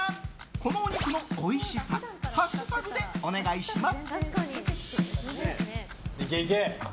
このお肉のおいしさハッシュタグでお願いします。